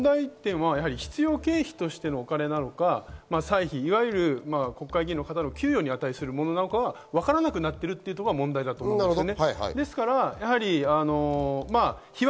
問題点は必要経費としてのお金なのか、歳費、いわゆる国会議員の方の給与に値するものなのか、わからなくなっているのが問題だと思うんですね。